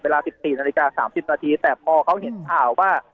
เวลา๑๔นาฬิกา๓๐นาทีแต่พอเขาเห็นข่าวว่า